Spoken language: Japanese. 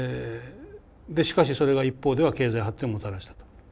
でしかしそれが一方では経済発展をもたらしたと。